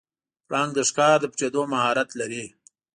پړانګ د ښکار د پټیدو مهارت لري.